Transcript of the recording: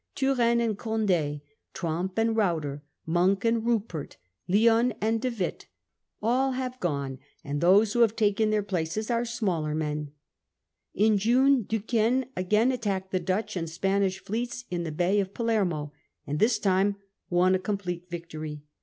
Turenne and Condd, Tromp Death of and Ruyter, Monk and Rupert, Lionne and Apriui, De Witt, all have gone, and those who have 1676, taken their places are smaller men. In June Duquesne again attacked the Dutch and Spanish fleets in the Bay of Palermo, and this time won a complete victory.